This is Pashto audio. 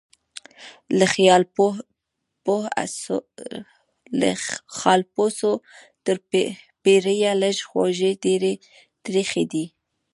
له خالپوڅو تر پیریه لږ خوږې ډیري ترخې دي